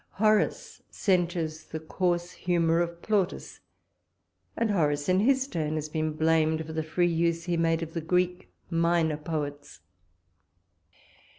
Horace censures the coarse humour of Plautus; and Horace, in his turn, has been blamed for the free use he made of the Greek minor poets.